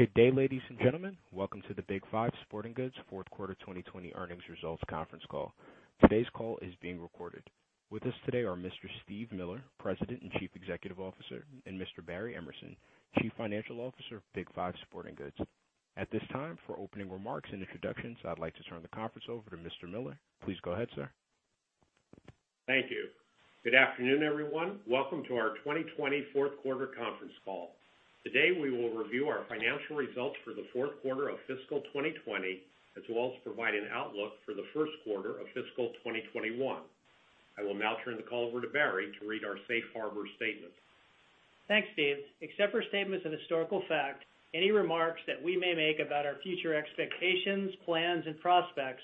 Good day, ladies and gentlemen. Welcome to the Big 5 Sporting Goods fourth quarter 2020 earnings results conference call. Today's call is being recorded. With us today are Mr. Steve Miller, President and Chief Executive Officer, and Mr. Barry Emerson, Chief Financial Officer of Big 5 Sporting Goods. At this time, for opening remarks and introductions, I'd like to turn the conference over to Mr. Miller. Please go ahead, sir. Thank you. Good afternoon, everyone. Welcome to our 2020 fourth quarter conference call. Today, we will review our financial results for the fourth quarter of fiscal 2020, as well as provide an outlook for the first quarter of fiscal 2021. I will now turn the call over to Barry to read our safe harbor statement. Thanks, Steve. Except for statements of historical fact, any remarks that we may make about our future expectations, plans and prospects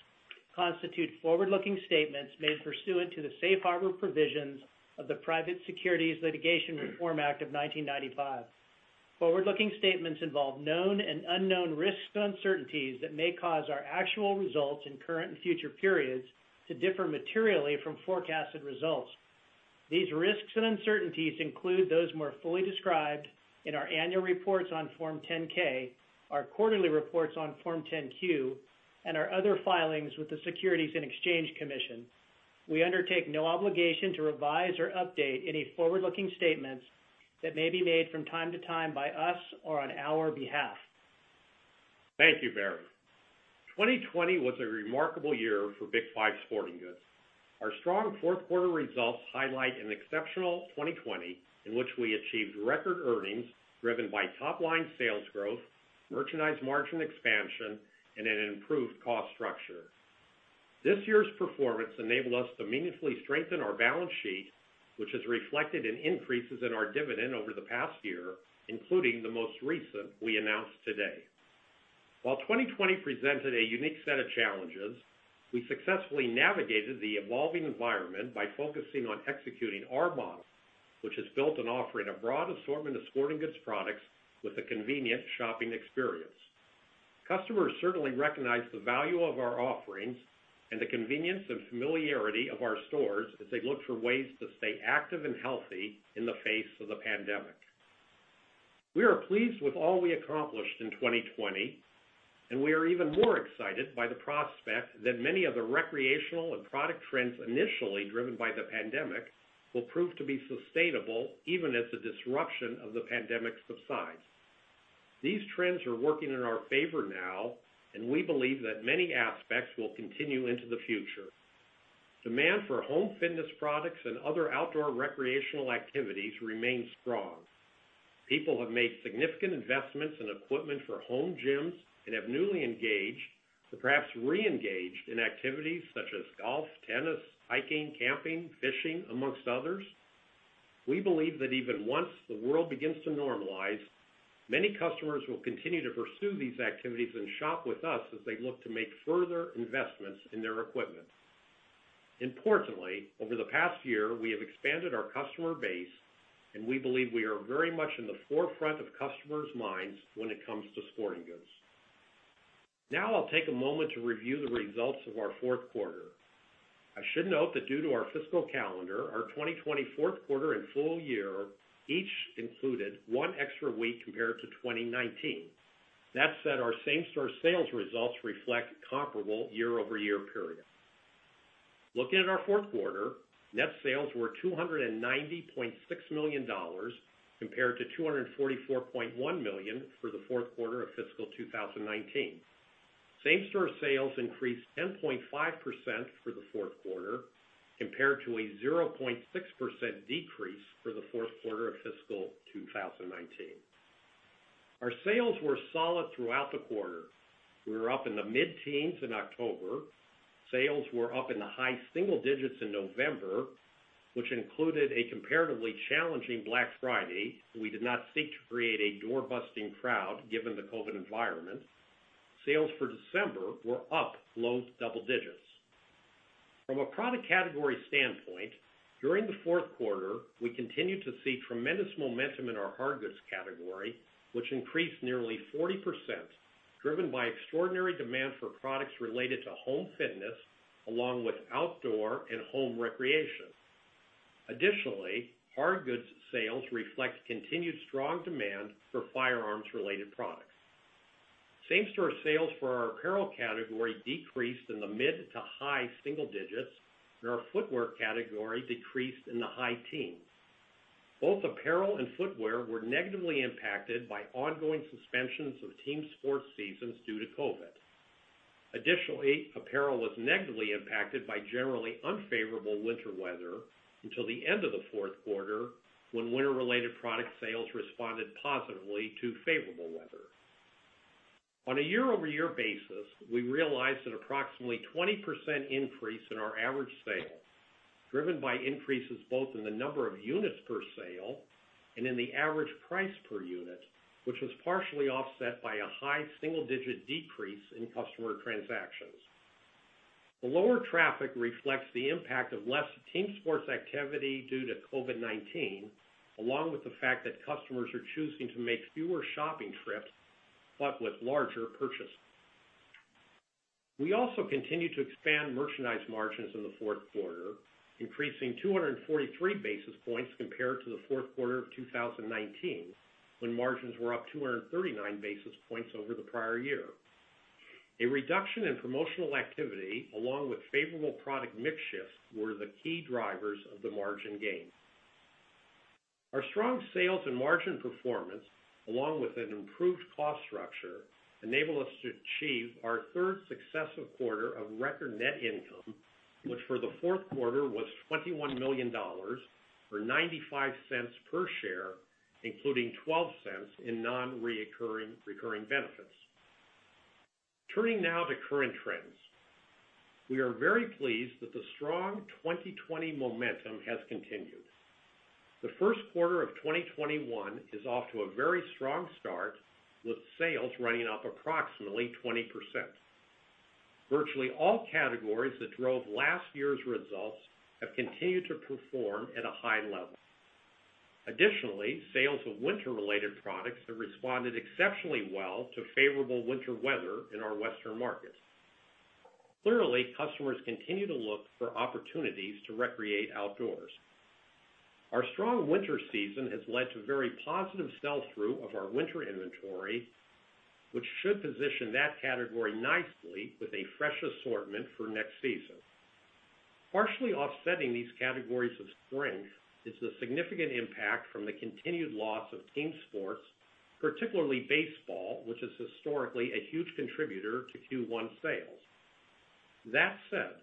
constitute forward-looking statements made pursuant to the safe harbor provisions of the Private Securities Litigation Reform Act of 1995. Forward-looking statements involve known and unknown risks and uncertainties that may cause our actual results in current and future periods to differ materially from forecasted results. These risks and uncertainties include those more fully described in our annual reports on Form 10-K, our quarterly reports on Form 10-Q, and our other filings with the Securities and Exchange Commission. We undertake no obligation to revise or update any forward-looking statements that may be made from time to time by us or on our behalf. Thank you, Barry. 2020 was a remarkable year for Big 5 Sporting Goods. Our strong fourth quarter results highlight an exceptional 2020 in which we achieved record earnings driven by top-line sales growth, merchandise margin expansion, and an improved cost structure. This year's performance enabled us to meaningfully strengthen our balance sheet, which is reflected in increases in our dividend over the past year, including the most recent we announced today. While 2020 presented a unique set of challenges, we successfully navigated the evolving environment by focusing on executing our model, which is built on offering a broad assortment of sporting goods products with a convenient shopping experience. Customers certainly recognize the value of our offerings and the convenience and familiarity of our stores as they look for ways to stay active and healthy in the face of the pandemic. We are pleased with all we accomplished in 2020, and we are even more excited by the prospect that many of the recreational and product trends initially driven by the pandemic will prove to be sustainable, even as the disruption of the pandemic subsides. These trends are working in our favor now, and we believe that many aspects will continue into the future. Demand for home fitness products and other outdoor recreational activities remains strong. People have made significant investments in equipment for home gyms and have newly engaged, or perhaps reengaged, in activities such as golf, tennis, hiking, camping, fishing, amongst others. We believe that even once the world begins to normalize, many customers will continue to pursue these activities and shop with us as they look to make further investments in their equipment. Importantly, over the past year, we have expanded our customer base, and we believe we are very much in the forefront of customers' minds when it comes to sporting goods. Now I'll take a moment to review the results of our fourth quarter. I should note that due to our fiscal calendar, our 2020 fourth quarter and full year each included one extra week compared to 2019. That said, our same-store sales results reflect comparable year-over-year period. Looking at our fourth quarter, net sales were $290.6 million compared to $244.1 million for the fourth quarter of fiscal 2019. Same-store sales increased 10.5% for the fourth quarter compared to a 0.6% decrease for the fourth quarter of fiscal 2019. Our sales were solid throughout the quarter. We were up in the mid-teens in October. Sales were up in the high single digits in November, which included a comparatively challenging Black Friday. We did not seek to create a door-busting crowd, given the COVID environment. Sales for December were up low double digits. From a product category standpoint, during the fourth quarter, we continued to see tremendous momentum in our hard goods category, which increased nearly 40%, driven by extraordinary demand for products related to home fitness, along with outdoor and home recreation. Additionally, hard goods sales reflect continued strong demand for firearms related products. Same-store sales for our apparel category decreased in the mid to high single digits, and our footwear category decreased in the high teens. Both apparel and footwear were negatively impacted by ongoing suspensions of team sports seasons due to COVID. Additionally, apparel was negatively impacted by generally unfavorable winter weather until the end of the fourth quarter, when winter related product sales responded positively to favorable weather. On a year-over-year basis, we realized an approximately 20% increase in our average sale, driven by increases both in the number of units per sale and in the average price per unit, which was partially offset by a high single digit decrease in customer transactions. The lower traffic reflects the impact of less team sports activity due to COVID-19, along with the fact that customers are choosing to make fewer shopping trips, but with larger purchases. We also continued to expand merchandise margins in the fourth quarter, increasing 243 basis points compared to the fourth quarter of 2019, when margins were up 239 basis points over the prior year. A reduction in promotional activity, along with favorable product mix shifts, were the key drivers of the margin gain. Our strong sales and margin performance, along with an improved cost structure, enabled us to achieve our third successive quarter of record net income, which for the fourth quarter was $21 million, or $0.95 per share, including $0.12 in non-recurring benefits. Turning now to current trends. We are very pleased that the strong 2020 momentum has continued. The first quarter of 2021 is off to a very strong start, with sales running up approximately 20%. Virtually all categories that drove last year's results have continued to perform at a high level. Additionally, sales of winter-related products have responded exceptionally well to favorable winter weather in our western markets. Clearly, customers continue to look for opportunities to recreate outdoors. Our strong winter season has led to very positive sell-through of our winter inventory, which should position that category nicely with a fresh assortment for next season. Partially offsetting these categories of strength is the significant impact from the continued loss of team sports, particularly baseball, which is historically a huge contributor to Q1 sales. That said,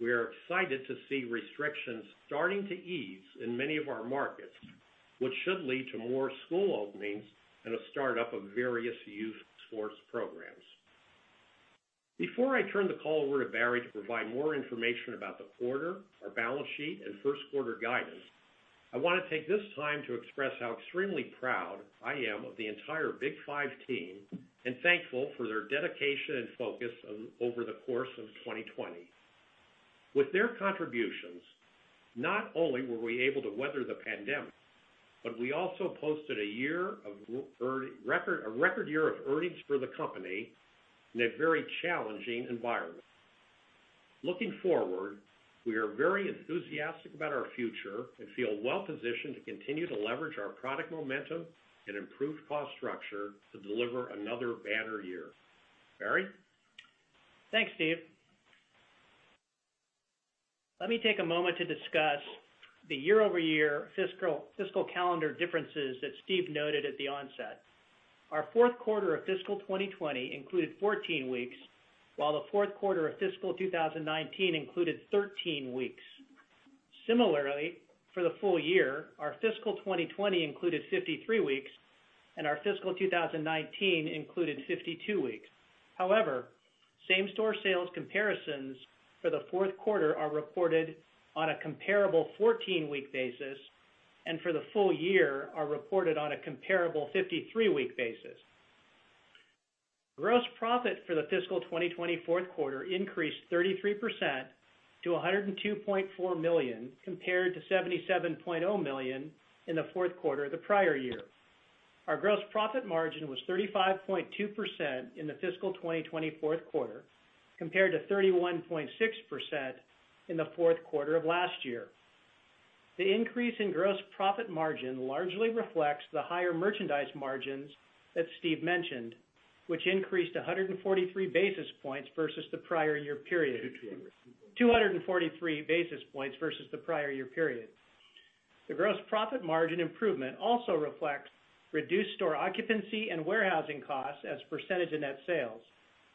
we are excited to see restrictions starting to ease in many of our markets, which should lead to more school openings and a start up of various youth sports programs. Before I turn the call over to Barry to provide more information about the quarter, our balance sheet, and first quarter guidance, I want to take this time to express how extremely proud I am of the entire Big 5 team and thankful for their dedication and focus over the course of 2020. With their contributions, not only were we able to weather the pandemic, but we also posted a record year of earnings for the company in a very challenging environment. Looking forward, we are very enthusiastic about our future and feel well positioned to continue to leverage our product momentum and improved cost structure to deliver another banner year. Barry? Thanks, Steve. Let me take a moment to discuss the year-over-year fiscal calendar differences that Steve noted at the onset. Our fourth quarter of fiscal 2020 included 14 weeks, while the fourth quarter of fiscal 2019 included 13 weeks. Similarly, for the full year, our fiscal 2020 included 53 weeks and our fiscal 2019 included 52 weeks. However, same-store sales comparisons for the fourth quarter are reported on a comparable 14-week basis and for the full year are reported on a comparable 53-week basis. Gross profit for the fiscal 2020 fourth quarter increased 33% to $102.4 million, compared to $77.0 million in the fourth quarter of the prior year. Our gross profit margin was 35.2% in the fiscal 2020 fourth quarter, compared to 31.6% in the fourth quarter of last year. The increase in gross profit margin largely reflects the higher merchandise margins that Steve mentioned, which increased 143 basis points versus the prior year period. 243 basis points versus the prior year period. The gross profit margin improvement also reflects reduced store occupancy and warehousing costs as a percentage of net sales,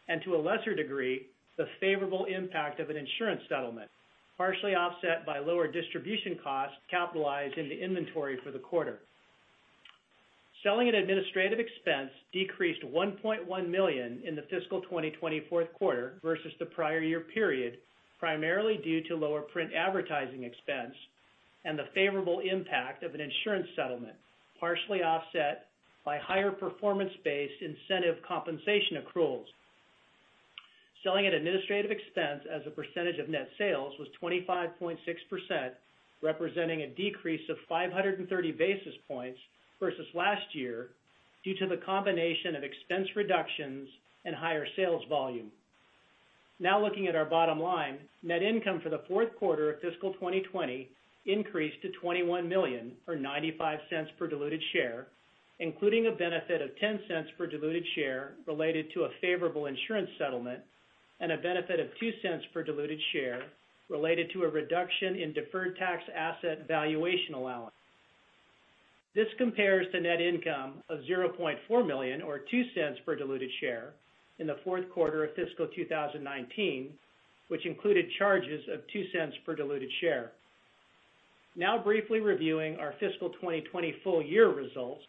and to a lesser degree, the favorable impact of an insurance settlement, partially offset by lower distribution costs capitalized into inventory for the quarter. Selling and administrative expense decreased $1.1 million in the fiscal 2020 fourth quarter versus the prior year period, primarily due to lower print advertising expense and the favorable impact of an insurance settlement, partially offset by higher performance-based incentive compensation accruals. Selling and administrative expense as a percentage of net sales was 25.6%, representing a decrease of 530 basis points versus last year due to the combination of expense reductions and higher sales volume. Now looking at our bottom line. Net income for the fourth quarter of fiscal 2020 increased to $21 million, or $0.95 per diluted share, including a benefit of $0.10 per diluted share related to a favorable insurance settlement and a benefit of $0.02 per diluted share related to a reduction in deferred tax asset valuation allowance. This compares to net income of $0.4 million or $0.02 per diluted share in the fourth quarter of fiscal 2019, which included charges of $0.02 per diluted share. Now briefly reviewing our fiscal 2020 full year results.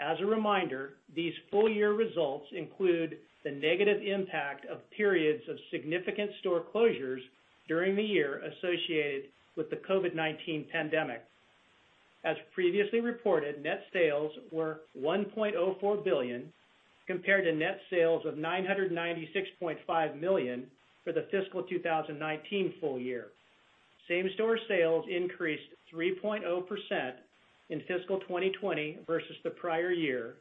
As a reminder, these full year results include the negative impact of periods of significant store closures during the year associated with the COVID-19 pandemic. As previously reported, net sales were $1.04 billion, compared to net sales of $996.5 million for the fiscal 2019 full year. Same-store sales increased 3.0% in fiscal 2020 versus the prior year,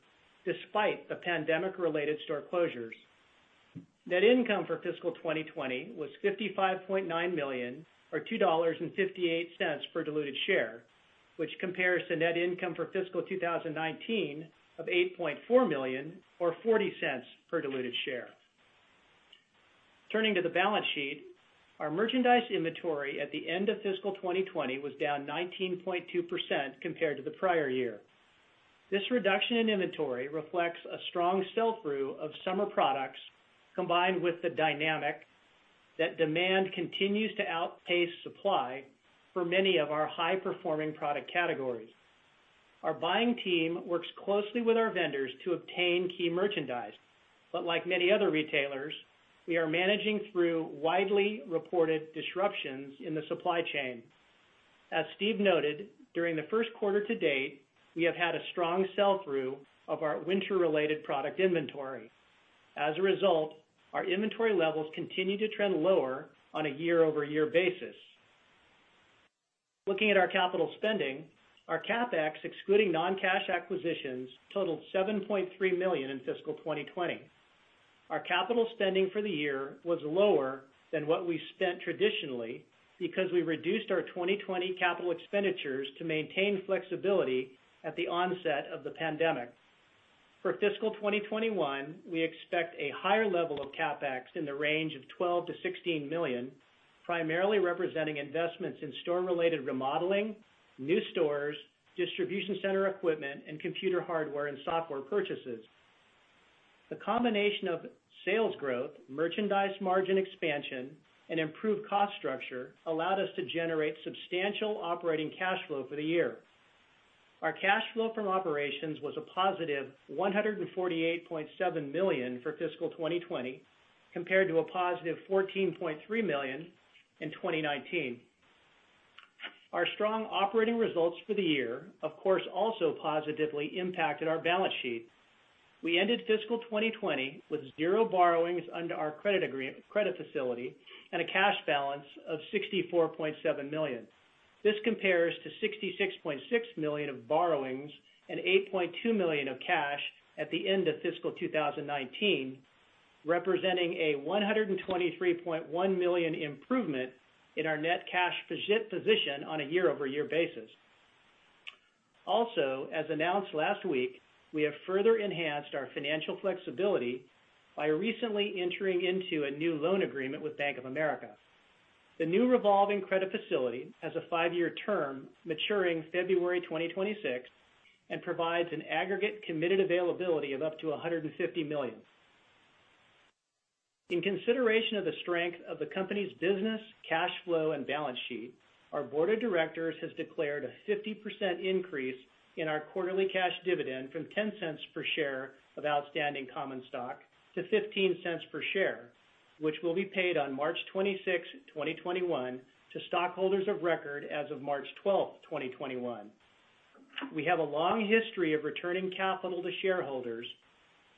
despite the pandemic related store closures. Net income for fiscal 2020 was $55.9 million, or $2.58 per diluted share, which compares to net income for fiscal 2019 of $8.4 million, or $0.40 per diluted share. Turning to the balance sheet, our merchandise inventory at the end of fiscal 2020 was down 19.2% compared to the prior year. This reduction in inventory reflects a strong sell-through of summer products, combined with the dynamic that demand continues to outpace supply for many of our high performing product categories. Our buying team works closely with our vendors to obtain key merchandise, but like many other retailers, we are managing through widely reported disruptions in the supply chain. As Steve noted, during the first quarter to date, we have had a strong sell-through of our winter related product inventory. As a result, our inventory levels continue to trend lower on a year-over-year basis. Looking at our capital spending, our CapEx, excluding non-cash acquisitions, totaled $7.3 million in fiscal 2020. Our capital spending for the year was lower than what we spent traditionally because we reduced our 2020 Capital Expenditure to maintain flexibility at the onset of the pandemic. For fiscal 2021, we expect a higher level of CapEx in the range of $12 million-$16 million, primarily representing investments in store related remodeling, new stores, distribution center equipment, and computer hardware and software purchases. The combination of sales growth, merchandise margin expansion, and improved cost structure allowed us to generate substantial operating cash flow for the year. Our cash flow from operations was a positive $148.7 million for fiscal 2020, compared to a positive $14.3 million in 2019. Our strong operating results for the year, of course, also positively impacted our balance sheet. We ended fiscal 2020 with zero borrowings under our credit facility and a cash balance of $64.7 million. This compares to $66.6 million of borrowings and $8.2 million of cash at the end of fiscal 2019, representing a $123.1 million improvement in our net cash position on a year-over-year basis. Also, as announced last week, we have further enhanced our financial flexibility by recently entering into a new loan agreement with Bank of America. The new revolving credit facility has a five-year term maturing February 2026 and provides an aggregate committed availability of up to $150 million. In consideration of the strength of the company's business, cash flow and balance sheet, our board of directors has declared a 50% increase in our quarterly cash dividend from $0.10 per share of outstanding common stock to $0.15 per share, which will be paid on March 26, 2021, to stockholders of record as of March 12, 2021. We have a long history of returning capital to shareholders,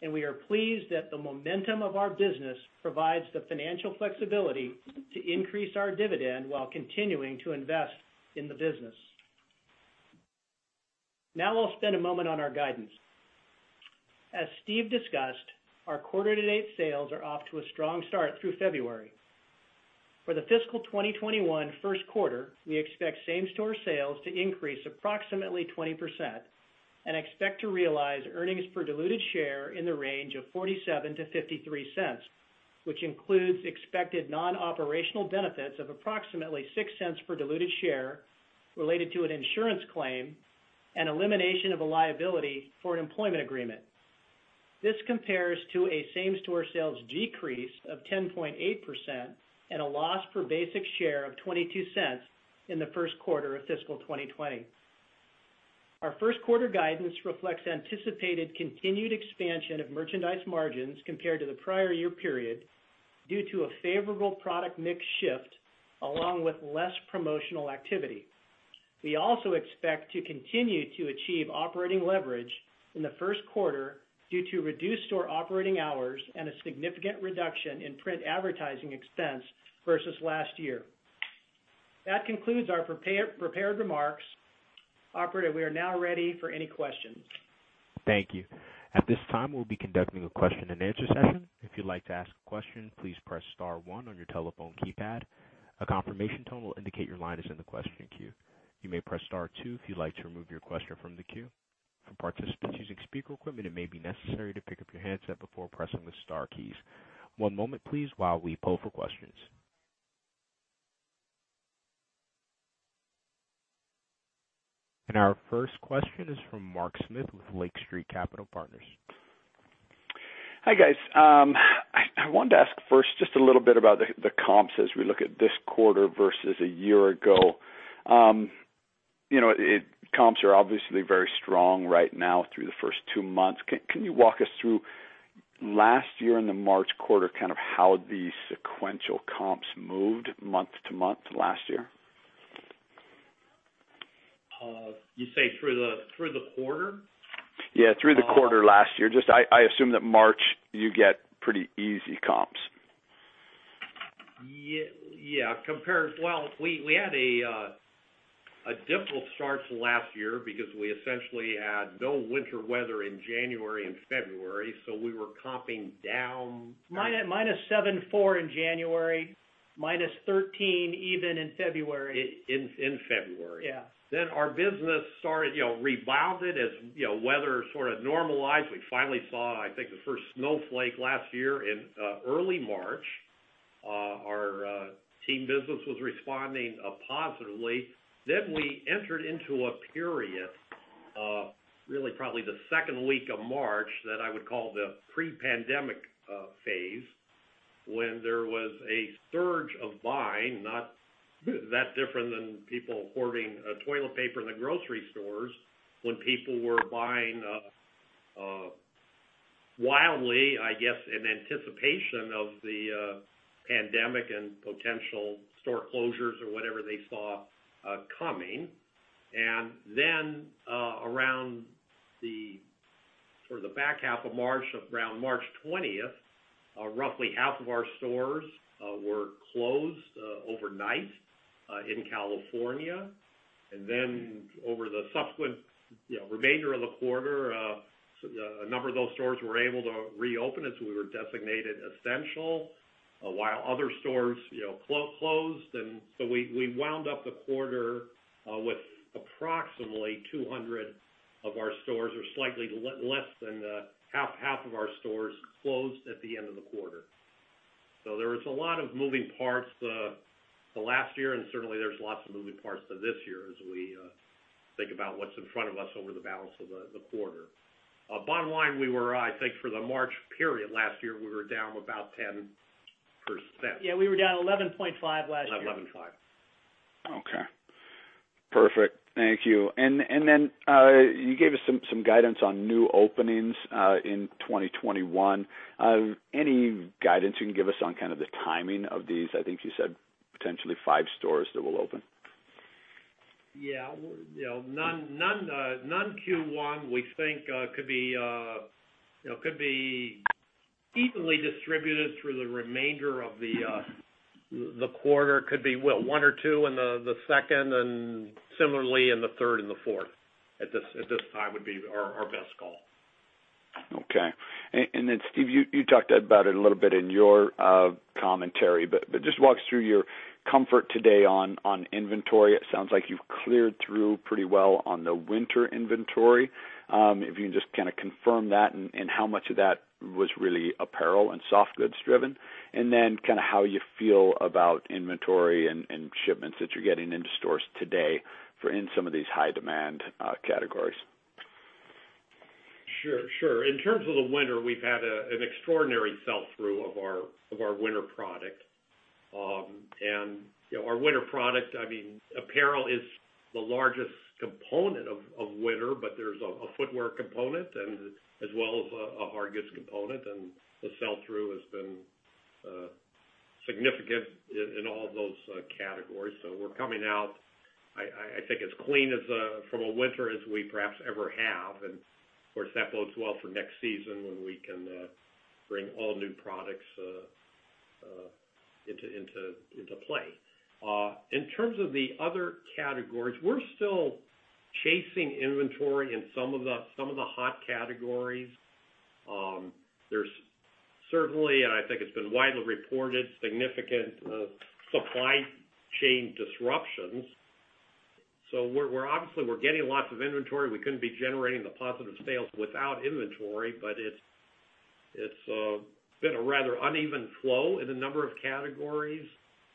and we are pleased that the momentum of our business provides the financial flexibility to increase our dividend while continuing to invest in the business. Now we'll spend a moment on our guidance. As Steve discussed, our quarter to date sales are off to a strong start through February. For the fiscal 2021 first quarter, we expect same store sales to increase approximately 20% and expect to realize earnings per diluted share in the range of $0.47-$0.53, which includes expected non-operational benefits of approximately $0.06 per diluted share related to an insurance claim and elimination of a liability for an employment agreement. This compares to a same store sales decrease of 10.8% and a loss per basic share of $0.22 in the first quarter of fiscal 2020. Our first quarter guidance reflects anticipated continued expansion of merchandise margins compared to the prior year period due to a favorable product mix shift along with less promotional activity. We also expect to continue to achieve operating leverage in the first quarter due to reduced store operating hours and a significant reduction in print advertising expense versus last year. That concludes our prepared remarks. Operator, we are now ready for any questions. Thank you. At this time, we'll be conducting a question and-answer session. If you'd like to ask a question, please press star one on your telephone keypad. A confirmation tone will indicate your line is in the question queue. You may press star two if you'd like to remove your question from the queue. For participants using speaker equipment, it may be necessary to pick up your handset before pressing the star keys. One moment, please, while we poll for questions. Our first question is from Mark Smith with Lake Street Capital Partners. Hi, guys. I wanted to ask first just a little bit about the comps as we look at this quarter versus a year ago. Comps are obviously very strong right now through the first two months. Can you walk us through last year in the March quarter, how the sequential comps moved month-to-month last year? You say through the quarter? Through the quarter last year. I assume that March you get pretty easy comps. Yeah. Well, we had a difficult start to last year because we essentially had no winter weather in January and February, so we were comping down. -7.4% in January, -13% even in February. In February. Yeah. Our business rebounded as weather sort of normalized. We finally saw, I think, the first snowflake last year in early March. Our team business was responding positively. We entered into a period, really probably the second week of March, that I would call the pre-pandemic phase, when there was a surge of buying, not that different than people hoarding toilet paper in the grocery stores when people were buying wildly, I guess, in anticipation of the pandemic and potential store closures or whatever they saw coming. Around the back half of March, around March 20th, roughly half of our stores were closed overnight in California. Over the subsequent remainder of the quarter, a number of those stores were able to reopen as we were designated essential, while other stores closed. We wound up the quarter with approximately 200 of our stores, or slightly less than half of our stores closed at the end of the quarter. There was a lot of moving parts to last year, and certainly there's lots of moving parts to this year as we think about what's in front of us over the balance of the quarter. Bottom line, I think for the March period last year, we were down about 10%. Yeah, we were down 11.5 last year. 11.5. Okay. Perfect, thank you. You gave us some guidance on new openings in 2021. Any guidance you can give us on kind of the timing of these, I think you said potentially five stores that will open? Yeah. Non Q1 we think could be evenly distributed through the remainder of the quarter. Could be one or two in the second and similarly in the third and the fourth at this time would be our best call. Okay. Steve, you talked about it a little bit in your commentary but just walk us through your comfort today on inventory. It sounds like you've cleared through pretty well on the winter inventory. If you can just kind of confirm that and how much of that was really apparel and soft goods driven, and then kind of how you feel about inventory and shipments that you're getting into stores today in some of these high demand categories? Sure. In terms of the winter, we've had an extraordinary sell-through of our winter product. Our winter product, apparel is the largest component of winter, but there's a footwear component as well as a hard goods component, and the sell-through has been significant in all those categories. We're coming out, I think, as clean from a winter as we perhaps ever have, and of course, that bodes well for next season when we can bring all new products into play. In terms of the other categories, we're still chasing inventory in some of the hot categories. There's certainly, and I think it's been widely reported, significant supply chain disruptions. Obviously we're getting lots of inventory. We couldn't be generating the positive sales without inventory, but it's been a rather uneven flow in a number of categories.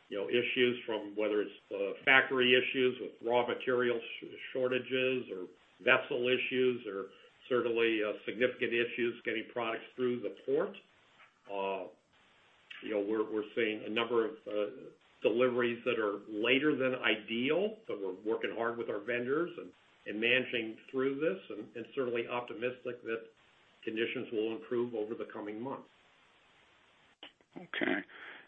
Issues from whether it's factory issues with raw material shortages or vessel issues, or certainly significant issues getting products through the port. We're seeing a number of deliveries that are later than ideal, so we're working hard with our vendors and managing through this and certainly optimistic that conditions will improve over the coming months. Okay.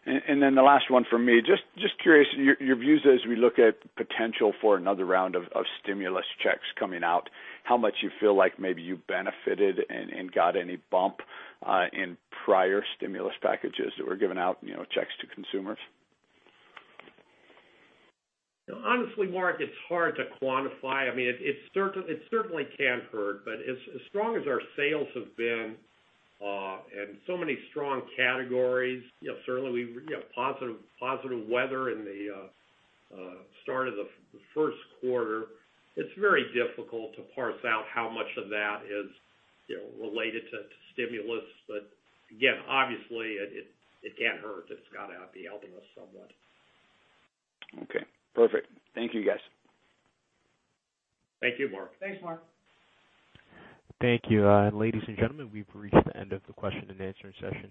The last one from me, just curious, your views as we look at potential for another round of stimulus checks coming out, how much you feel like maybe you benefited and got any bump in prior stimulus packages that were given out checks to consumers? Honestly, Mark, it's hard to quantify. It certainly can't hurt, but as strong as our sales have been and so many strong categories, certainly positive weather in the start of the first quarter, it's very difficult to parse out how much of that is related to stimulus. Again, obviously it can't hurt. It's got to be helping us somewhat. Okay, perfect. Thank you, guys. Thank you, Mark. Thanks, Mark. Thank you. Ladies and gentlemen, we've reached the end of the question and answering session.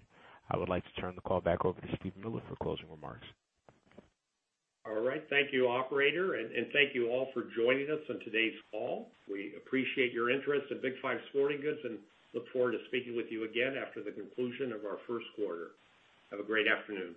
I would like to turn the call back over to Steve Miller for closing remarks. All right. Thank you, operator, and thank you all for joining us on today's call. We appreciate your interest in Big 5 Sporting Goods and look forward to speaking with you again after the conclusion of our first quarter. Have a great afternoon.